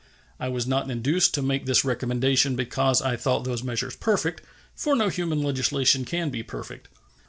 I was not induced to make this recommendation because I thought those measures perfect, for no human legislation can be perfect.